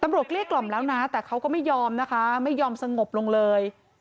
เกลี้ยกล่อมแล้วนะแต่เขาก็ไม่ยอมนะคะไม่ยอมสงบลงเลย